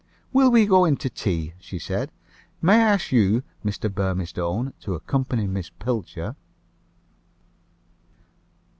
"We will go in to tea," she said. "May I ask you, Mr. Burmistone, to accompany Miss Pilcher?"